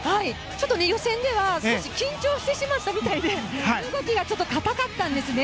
予選では緊張してしまったみたいで動きが硬かったんですね。